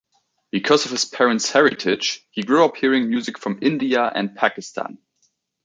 Because of his parents' heritage, he grew up hearing music from India and Pakistan.